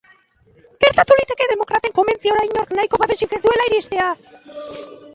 Gertatu liteke demokraten konbentziora inork nahiko babesik ez duela iristea.